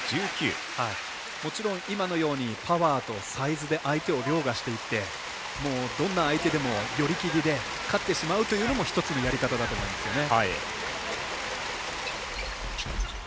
もちろん今のようにパワーとサイズで相手をりょうがしていってどんな相手でも寄り切りで勝ってしまうというのも１つのやり方だと思いますね。